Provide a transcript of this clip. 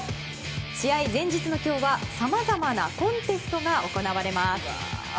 試合前日の今日はさまざまなコンテストが行われます。